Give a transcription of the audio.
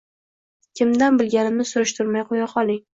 Kimdan bilganimni surishtirmay qo`ya qoling